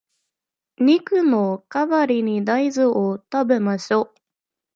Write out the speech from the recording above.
肉の代わりに大豆を食べましょう